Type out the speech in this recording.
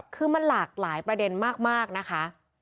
คือมันหลากหลายประเด็นมากนะคะ